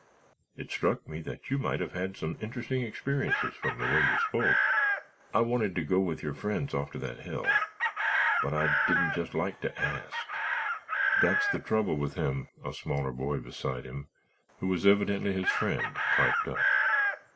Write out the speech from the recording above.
It struck me that you might have had some interesting experiences from the way you spoke. I wanted to go with your friends off to that hill, but I didn't just like to ask——" "That's the trouble with him," a smaller boy beside him, who was evidently his friend, piped up.